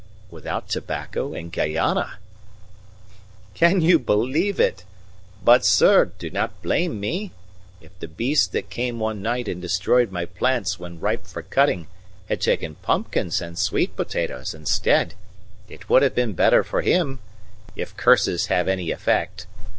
"Without tobacco in Guayana!" "Can you believe it? But, sir, do not blame me; if the beast that came one night and destroyed my plants when ripe for cutting had taken pumpkins and sweet potatoes instead, it would have been better for him, if curses have any effect.